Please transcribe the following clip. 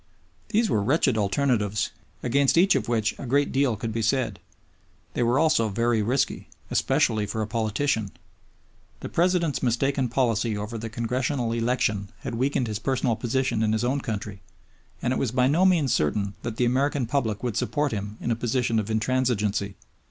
These were wretched alternatives, against each of which a great deal could be said. They were also very risky, especially for a politician. The President's mistaken policy over the Congressional election had weakened his personal position in his own country, and it was by no means certain that the American public would support him in a position of intransigeancy.